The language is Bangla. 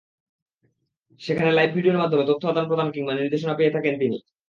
সেখানে লাইভ ভিডিওর মাধ্যমে তথ্য আদান-প্রদান কিংবা নির্দেশনা পেয়ে থাকেন তিনি।